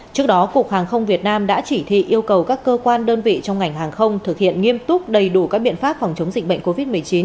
trước đó cục hàng không việt nam đã chỉ thị yêu cầu các cơ quan đơn vị trong ngành hàng không thực hiện nghiêm túc đầy đủ các biện pháp phòng chống dịch bệnh covid một mươi chín